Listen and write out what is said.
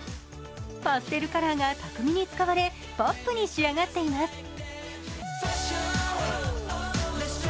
パステルカラーが巧みに使われポップに仕上がっています。